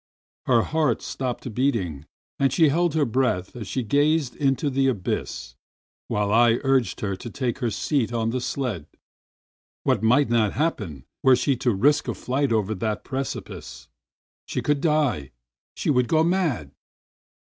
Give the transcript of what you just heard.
Her heart stopped beating, and she held her breath as she gazed into that abyss while I urged her to take her seat on the sled. What might not happen were she to risk a flight over that precipice ! She would die, she would go mad